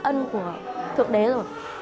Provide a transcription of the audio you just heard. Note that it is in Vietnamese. ơn của thượng đế rồi